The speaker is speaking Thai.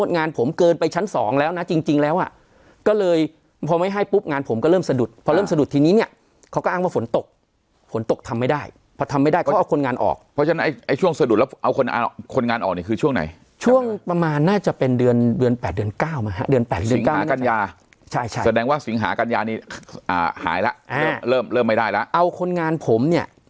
งานผมเกินไปชั้นสองแล้วนะจริงจริงแล้วอ่ะก็เลยพอไม่ให้ปุ๊บงานผมก็เริ่มสะดุดพอเริ่มสะดุดทีนี้เนี้ยเขาก็อ้างว่าฝนตกฝนตกทำไม่ได้พอทำไม่ได้เขาเอาคนงานออกเพราะฉะนั้นไอ้ช่วงสะดุดแล้วเอาคนออกคนงานออกเนี้ยคือช่วงไหนช่วงประมาณน่าจะเป็นเดือนเดือนแปดเดือนเก้ามาฮะเดือนแปดเดือนเก้ากันย